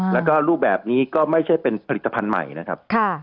แล้วก็รูปแบบนี้ก็ไม่ใช่เป็นผลิตภัณฑ์ใหม่นะครับ